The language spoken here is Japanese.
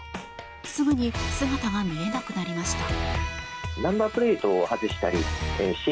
すぐに姿が見えなくなりました。